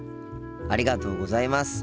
ありがとうございます。